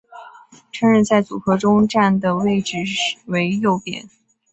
春日在组合中站的位置为右边。